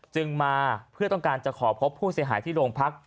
จึงมาเพื่อต้องการจะขอพบผู้เสียหายที่โรงพัก